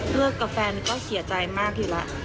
กับแฟนก็เสียใจมากอยู่แล้ว